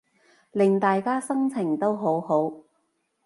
令大家心情都好好